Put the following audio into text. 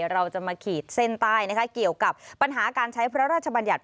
เราจะมาขีดเส้นใต้นะคะเกี่ยวกับปัญหาการใช้พระราชบัญญัติ